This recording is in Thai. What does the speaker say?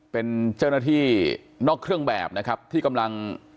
เป็นเจ้าหน้าที่นอกเครื่องแบบนะครับที่กำลัง